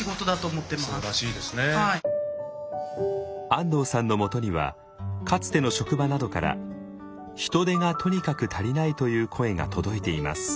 安藤さんのもとにはかつての職場などから人手がとにかく足りないという声が届いています。